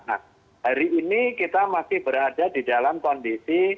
nah hari ini kita masih berada di dalam kondisi